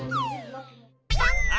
あ。